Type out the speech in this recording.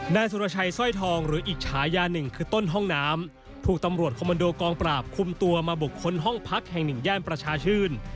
นายสุรชัยสร้อยทองหรืออิจฉายาหนึ่งคือต้นห้องน้ำถูกตำรวจคอมมันโดกองปราบคุมตัวมาบุคคลห้องพักแห่งหนึ่งย่านประชาชื่น